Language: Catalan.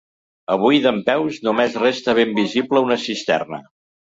Avui dempeus només resta ben visible una cisterna.